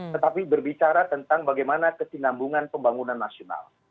tetapi berbicara tentang bagaimana kesinambungan pembangunan nasional